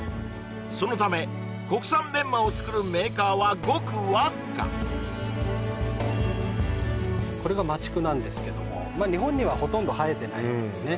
そのため国産メンマを作るメーカーはごくわずかこれが麻竹なんですけども日本にはほとんど生えてないんですね